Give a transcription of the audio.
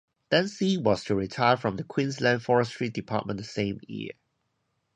Dansie was to retire from the Queensland forestry department the same year.